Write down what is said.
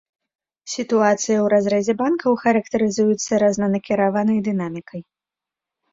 Сітуацыя ў разрэзе банкаў характарызуецца рознанакіраванай дынамікай.